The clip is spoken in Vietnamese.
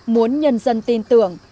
muốn nhân dân tin tưởng